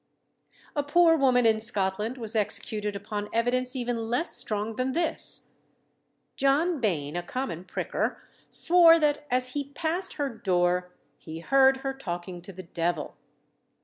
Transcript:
A poor woman in Scotland was executed upon evidence even less strong than this. John Bain, a common pricker, swore that, as he passed her door, he heard her talking to the devil.